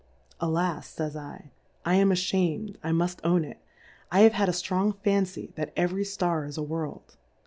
Alas, fays 7, I am a fliam'd, I muft own it, I have liad a ftrong Fancy that every Star is a World.